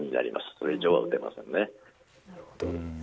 それ以上は撃てませんね。